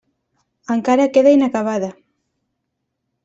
Encara queda inacabada.